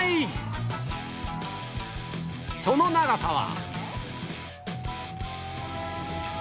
その長さは